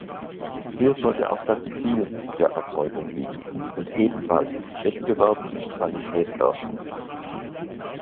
Hier sollte auch das Ziel der Erzeugung liegen, und ebenfalls Wettbewerb um Qualität herrschen.